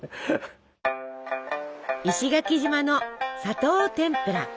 石垣島の「砂糖てんぷら」。